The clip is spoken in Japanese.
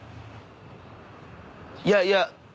いやいや。